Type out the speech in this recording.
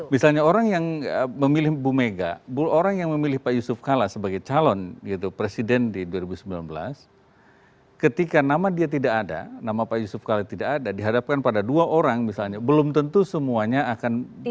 misalnya orang yang memilih bu mega orang yang memilih pak yusuf kalla sebagai calon gitu presiden di dua ribu sembilan belas ketika nama dia tidak ada nama pak yusuf kala tidak ada dihadapkan pada dua orang misalnya belum tentu semuanya akan